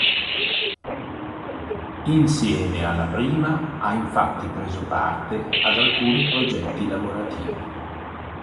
Insieme alla prima, ha infatti preso parte ad alcuni progetti lavorativi.